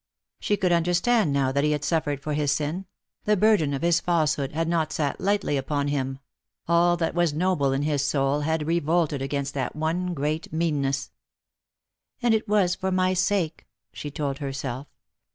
She could understand now that he had suffered for his sin ; the burden of his falsehood had not sat lightly upon him; all that was noble in his soul had revolted against that one great meanness. " And it was for my sake," she told herself.